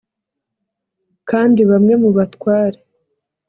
kandi bamwe mu batware